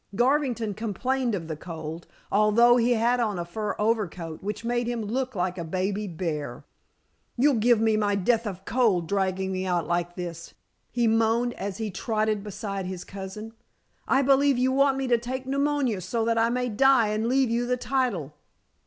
Garvington complained of the cold, although he had on a fur overcoat which made him look like a baby bear. "You'll give me my death of cold, dragging me out like this," he moaned, as he trotted beside his cousin. "I believe you want me to take pneumonia so that I may die and leave you the title."